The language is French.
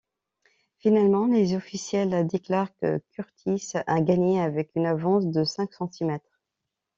Finalement, les officiels déclarent que Curtis a gagné avec une avance de cinq centimètres.